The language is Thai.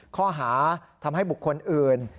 ข้อหาทำให้บุคคลอื่น